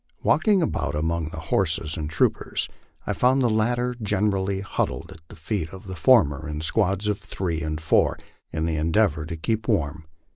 Walking about among the horses and troopers, I found the latter generally huddled at the feet of the former in squads of three and four, in the endeavor to keep warm.